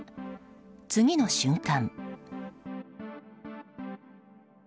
次の瞬間。